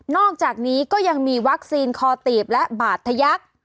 อกจากนี้ก็ยังมีวัคซีนคอตีบและบาดทะยักษ์